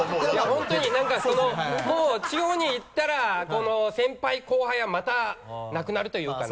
本当に何かもう地方に行ったら先輩後輩はまたなくなるというかね。